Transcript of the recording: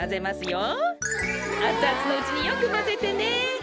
あつあつのうちによくまぜてね。